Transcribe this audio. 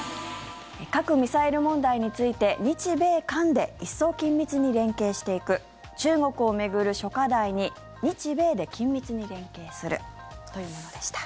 核・ミサイル問題について日米韓で一層緊密に連携していく中国を巡る諸課題に日米で緊密に連携するというものでした。